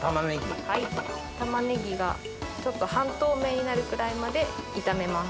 タマネギがちょっと半透明になるくらいまで炒めます。